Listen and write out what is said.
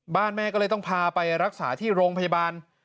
แม่ก็เลยต้องพาไปรักษาที่โรงพยาบาล